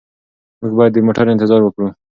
موږ باید د موټر انتظار وکړو.